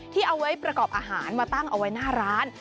เอาไว้ประกอบอาหารมาตั้งเอาไว้หน้าร้าน